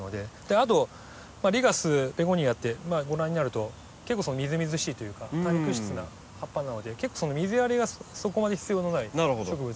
あとリーガースベゴニアってご覧になると結構みずみずしいというか多肉質な葉っぱなので結構水やりがそこまで必要のない植物。